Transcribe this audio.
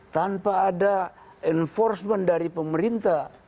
tanpa ada enforcement dari pemerintah